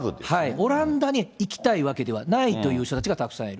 オランダに行きたいわけではないという人たちがたくさんいる。